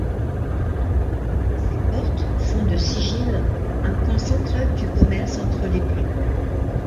Ces portes font de Sigil un point central du commerce entre les plans.